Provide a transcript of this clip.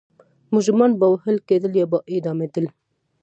مجرمان به وهل کېدل یا به اعدامېدل.